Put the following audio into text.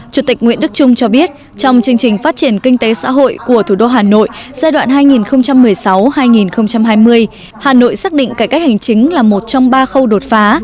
chủ tịch nguyễn đức trung cho biết trong chương trình phát triển kinh tế xã hội của thủ đô hà nội giai đoạn hai nghìn một mươi sáu hai nghìn hai mươi hà nội xác định cải cách hành chính là một trong ba khâu đột phá